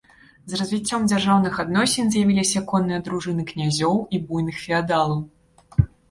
З развіццём дзяржаўных адносін з'явіліся конныя дружыны князёў і буйных феадалаў.